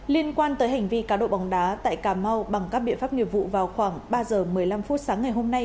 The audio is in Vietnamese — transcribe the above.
liên quan tới hành vi cá độ bóng đá tại cà mau bằng các biện pháp nghiệp vụ vào khoảng ba giờ một mươi năm phút sáng ngày hôm nay